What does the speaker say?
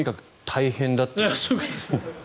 そういうことですね。